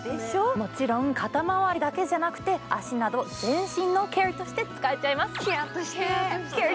もちろん肩周りだけじゃなくて、足など全身のケアとして使えちゃいます。